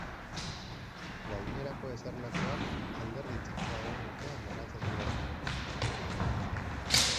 Gainerako eserlekuak alderdi txikiagoen artean banatzen dira.